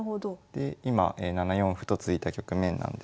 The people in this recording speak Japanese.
で今７四歩と突いた局面なんですけど。